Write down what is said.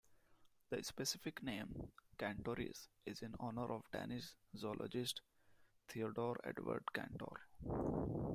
The specific name, "cantoris", is in honor of Danish zoologist Theodore Edward Cantor.